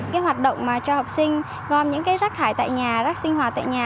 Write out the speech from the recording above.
cái hoạt động mà cho học sinh gom những cái rác thải tại nhà rác sinh hoạt tại nhà